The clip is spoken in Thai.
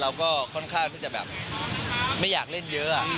เราก็ค่อนข้างที่จะแบบไม่อยากเล่นเยอะ